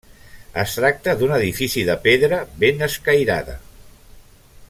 Es tracta d'un edifici de pedra ben escairada.